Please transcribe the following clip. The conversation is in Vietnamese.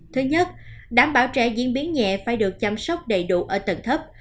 thứ nhất đảm bảo trẻ diễn biến nhẹ phải được chăm sóc đầy đủ ở tầng thấp